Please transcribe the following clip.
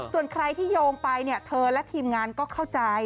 ส่วนใครที่โยงไปเธอและทีมงานก็เข้าใจ